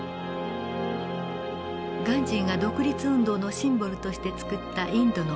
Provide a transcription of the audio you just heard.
ガンジーが独立運動のシンボルとして作ったインドの国旗。